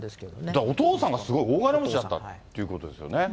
だからお父さんがすごい大金持ちだったってことですよね。